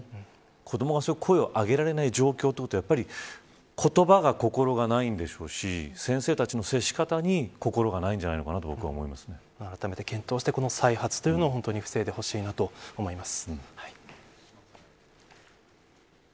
子どもが声を上げられない状況というのは言葉に心がないんでしょうし先生の接し方に心がないんじゃないかとあらためて検討して再発を防いでほしいと思います。